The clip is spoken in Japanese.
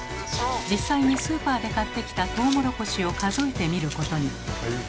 実際にスーパーで買ってきたトウモロコシを数えてみることに。